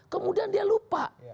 kemudian dia lupa